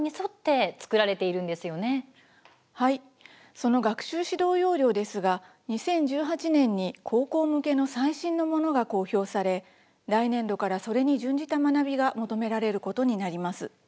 その学習指導要領ですが２０１８年に高校向けの最新のものが公表され来年度から、それに準じた学びが求められることになります。